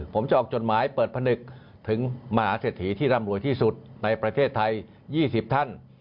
ผมจะออกจดหมายเปิดผนึกถึงมหาเศรษฐีที่ร่ำรวยที่สุดในประเทศไทย๒๐ท่าน